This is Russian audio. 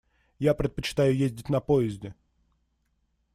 Я предпочитаю ездить на поезде.